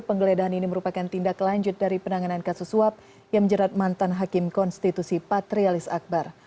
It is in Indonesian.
penggeledahan ini merupakan tindak lanjut dari penanganan kasus suap yang menjerat mantan hakim konstitusi patrialis akbar